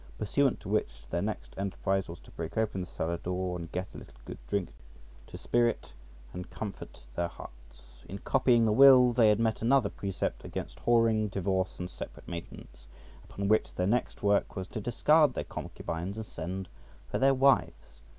Pursuant to which, their next enterprise was to break open the cellar door and get a little good drink to spirit and comfort their hearts {99b}. In copying the will, they had met another precept against whoring, divorce, and separate maintenance; upon which, their next work was to discard their concubines and send for their wives {99c}.